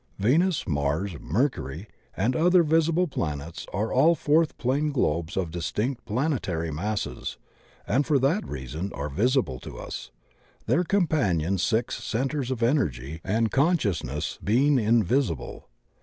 Venus, Mars, Mercury and other visible planets are all fourth plane globes of dis tinct planetary masses and for that reason are visible to us, their companion six centres of energy and con sciousness being invisible.